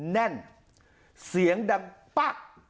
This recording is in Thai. แน่นเสียงดังปะ